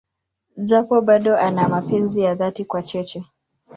Japo bado ana mapenzi ya dhati kwa Cheche.